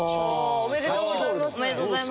おめでとうございます。